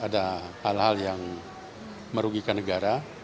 ada hal hal yang merugikan negara